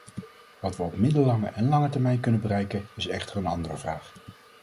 Wat we op middellange en lange termijn kunnen bereiken, is echter een andere vraag.